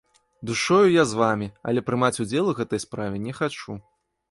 Душою я з вамі, але прымаць удзел у гэтай справе не хачу!